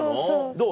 どう？